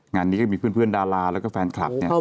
งานนี้ก็มีเพื่อนดาราแล้วก็แฟนคลับเนี่ย